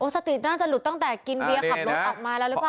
สติน่าจะหลุดตั้งแต่กินเบียร์ขับรถออกมาแล้วหรือเปล่า